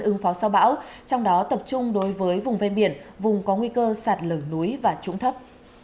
ứng phó sau bão trong đó tập trung đối với vùng ven biển vùng có nguy cơ sạt lở núi và trũng thấp